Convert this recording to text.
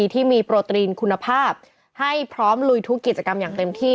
ที่มีโปรตรีนคุณภาพให้พร้อมลุยทุกกิจกรรมอย่างเต็มที่